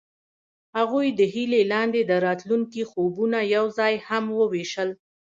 هغوی د هیلې لاندې د راتلونکي خوبونه یوځای هم وویشل.